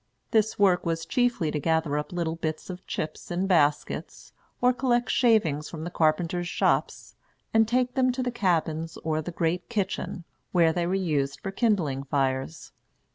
This work was chiefly to gather up little bits of chips in baskets, or collect shavings from the carpenters' shops, and take them to the cabins or the great kitchen, where they were used for kindling fires.